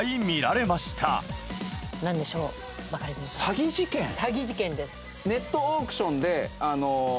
詐欺事件です。